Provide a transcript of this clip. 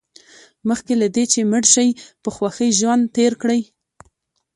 مخکې له دې چې مړ شئ په خوښۍ ژوند تېر کړئ.